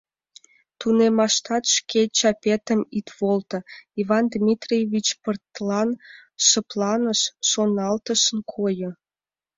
Тунеммаштат шке чапетым ит волто, — Иван Дмитриевич пыртлан шыпланыш, шоналтышын койо.